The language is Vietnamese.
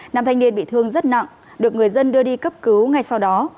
nam thanh niên bị thương rất nặng được người dân đưa đi cấp cứu ngay sau đó